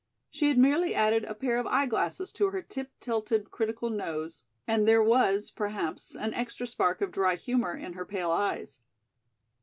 She had merely added a pair of eye glasses to her tip tilted critical nose and there was, perhaps, an extra spark of dry humor in her pale eyes.